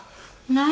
何！？